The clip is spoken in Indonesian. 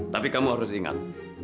tapi kamu harus ingat